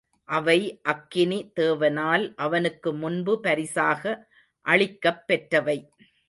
அவை அக்கினி தேவனால் அவனுக்கு முன்பு பரிசாக அளிக்கப் பெற்றவை.